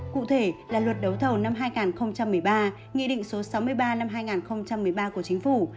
cụ thể là luật đấu thầu năm hai nghìn một mươi ba nghị định số sáu mươi ba năm hai nghìn một mươi ba của chính phủ